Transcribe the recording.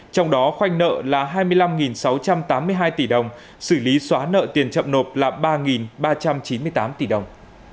trong đó khoanh nợ là hai mươi năm sáu trăm tám mươi hai tỷ đồng xử lý xóa nợ tiền chậm nộp là ba ba trăm chín mươi tám tỷ đồng